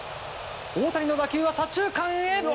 大谷の打球は左中間へ！